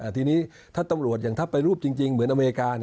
ทีนี้ถ้าตำรวจอย่างถ้าไปรูปจริงเหมือนอเมริกา